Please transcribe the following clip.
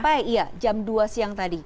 sampai jam dua siang tadi